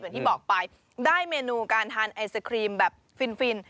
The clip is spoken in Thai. อย่างที่บอกไปได้เมนูการทานไอศครีมแบบฟิน